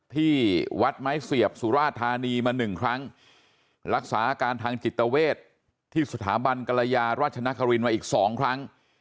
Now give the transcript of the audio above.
ที่วัดไม้เสียบสุราธานีมาหนึ่งครั้งรักษาอาการทางจิตเวทที่สถาบันกรยาราชนครินมาอีก๒ครั้ง